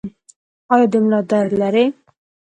ایا د ملا درد لرئ؟